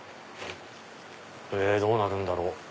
どうなるんだろう？